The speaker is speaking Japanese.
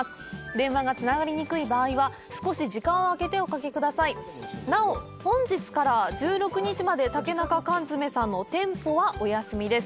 電話がつながりにくい場合は少し時間を空けておかけ下さいなお本日から１６日まで竹中罐詰さんの店舗はお休みです